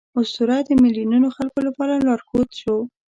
اسطوره د میلیونونو خلکو لپاره لارښود شو.